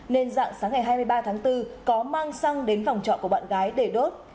nên dạng sáng ngày hai mươi ba tháng bốn có mang xăng đến phòng trọ của bạn gái để đốt